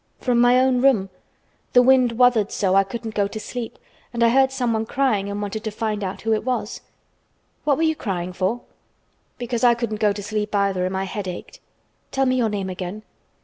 "From my own room. The wind wuthered so I couldn't go to sleep and I heard someone crying and wanted to find out who it was. What were you crying for?" "Because I couldn't go to sleep either and my head ached. Tell me your name again."